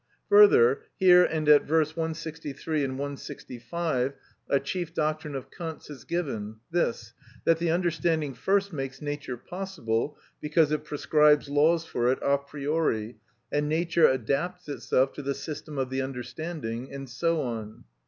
Further, here and at V. p. 163 and 165, a chief doctrine of Kant's is given, this: that the understanding first makes Nature possible, because it prescribes laws for it a priori, and Nature adapts itself to the system of the understanding, and so on.